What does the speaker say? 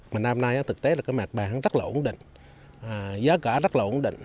mà năm nay thực tế là cái mặt bàn rất là ổn định giá cả rất là ổn định